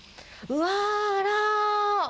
あら。